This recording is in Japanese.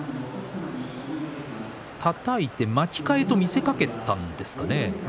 たたいて、巻き替えと見せかけたんですかね。